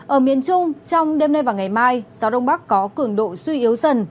ở miền trung trong đêm nay và ngày mai gió đông bắc có cường độ suy yếu dần